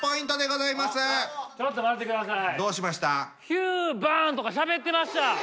「ヒュバン！」とかしゃべってました！